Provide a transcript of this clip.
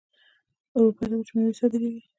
اروپا ته وچې میوې صادریږي.